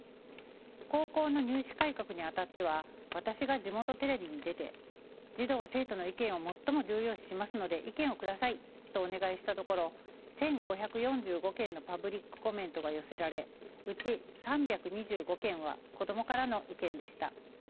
高校の入試改革にあたっては私が地元テレビに出て「児童生徒の意見を最も重要視しますので意見を下さい」とお願いしたところ１，５４５件のパブリックコメントが寄せられうち３２５件は子供からの意見でした。